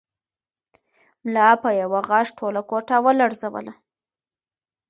ملا په یوه غږ ټوله کوټه ولړزوله.